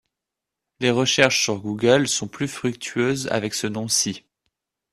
Les recherches sur Google sont plus fructueuses avec ce nom-ci.